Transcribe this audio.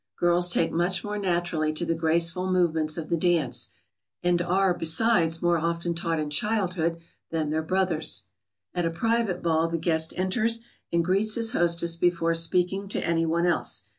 Girls take much more naturally to the graceful movements of the dance, and are, besides, more often taught in childhood than their brothers. [Sidenote: At a private ball.] At a private ball the guest enters and greets his hostess before speaking to any one else.